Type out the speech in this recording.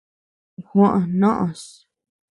Juó noʼös.